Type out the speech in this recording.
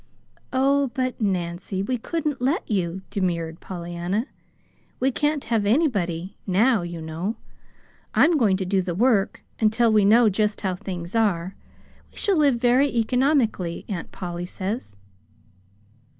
"Oh, but, Nancy, we couldn't let you," demurred Pollyanna. "We can't have anybody now, you know. I'm going to do the work. Until we know just how things are, we shall live very economically, Aunt Polly says."